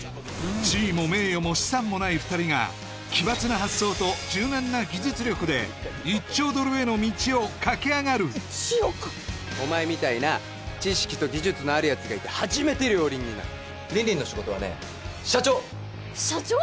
地位も名誉も資産もない２人が奇抜な発想と柔軟な技術力で１兆ドルへの道を駆け上がるお前みたいな知識と技術のあるやつがいて初めて両輪になるリンリンの仕事はね社長社長！？